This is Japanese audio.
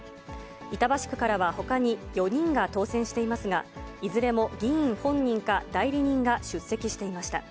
板橋区からはほかに４人が当選していますが、いずれも議員本人か代理人が出席していました。